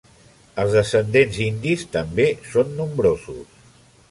Els descendents indis també són nombrosos.